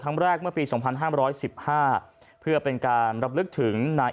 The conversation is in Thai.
ครั้งแรกเมื่อปีสองพันห้าร้อยสิบห้าเพื่อเป็นการรับลึกถึงนา